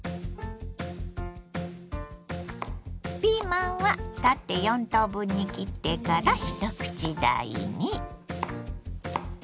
ピーマンは縦４等分に切ってから一口大に。